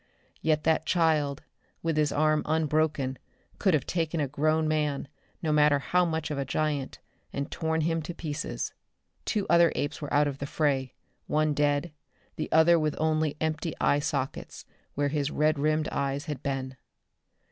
Yet that "child," with his arm unbroken, could have taken a grown man, no matter how much of a giant, and torn him to pieces. Two other apes were out of the fray, one dead, the other with only empty eye sockets where his red rimmed eyes had been.